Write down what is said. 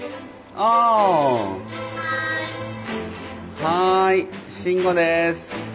はい慎吾です。